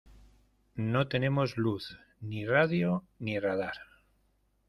no tenemos luz, ni radio ni radar